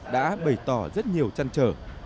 đã bày tỏ rất nhiều chăn trở